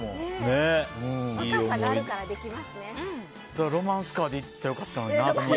ただ、ロマンスカーで行ったら良かったのになって。